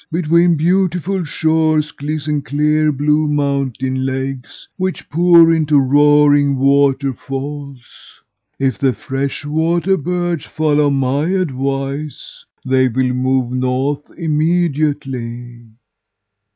Between beautiful shores glisten clear, blue mountain lakes, which pour into roaring water falls. If the fresh water birds follow my advice, they will move north immediately.'